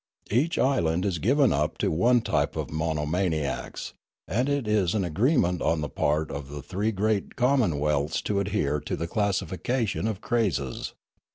Each island is given up to one type of monomaniacs ; and it is an agreement on the part of the three great commonwealths to adhere to the classification of crazes.